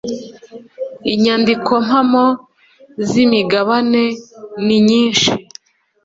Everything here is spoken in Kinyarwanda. Inyandiko mpamo z’ imigabane ninyishi.